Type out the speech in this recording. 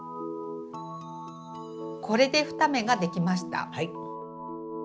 これで２目ができました。